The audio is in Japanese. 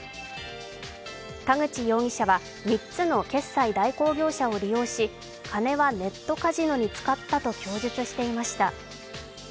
田口容疑者は３つの決済代行業者を利用し金はネットカジノに使ったと供述していました。